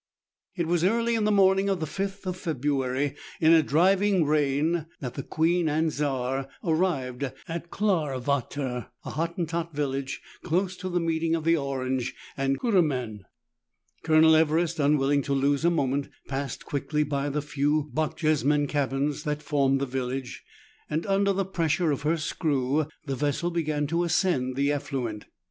It was early in the morning of the 5th of February, in a driving rain, that the "Queen and Czar" arrived at Klaarwater, a Hottentot village, close to the meeting of the Orange and Kuruman. Colonel Everest, unwilling to lose a moment, passed quickly by the few Bochjesmen cabins that form the village, and under the pressure of her screw, the vessel began to ascend the affluent.